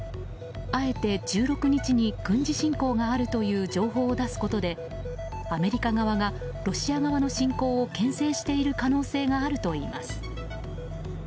あえて１６日に軍事侵攻があるという情報を出すことでアメリカ側がロシア側の侵攻を牽制している可能性があるといいます。